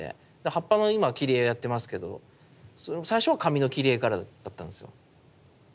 葉っぱの今切り絵やってますけど最初は紙の切り絵からだったんですよ。